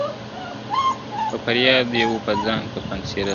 په فریاد یې وو پر ځان کفن څیرلی-